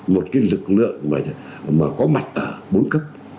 một cái lực lượng mà có mặt ở bốn cấp